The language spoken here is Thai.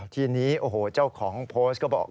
ทีนี้เจ้าของโพสต์ก็บอก